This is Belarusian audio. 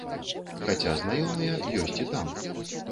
Хаця знаёмыя ёсць і там.